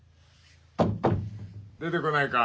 ・出てこないか？